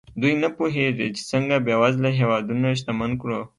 دوی نه پوهېږي چې څنګه بېوزله هېوادونه شتمن کړو.